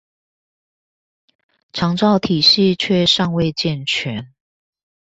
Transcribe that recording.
長照體系卻尚未健全